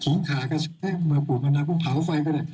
ขีงขาก็ใช้มาปลูกมะนาวพรุ่งเผาไฟก็ได้